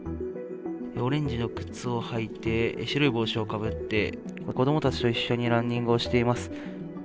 オレンジの靴を履いて、白い帽子をかぶって、子どもたちと一緒にランニングをしています。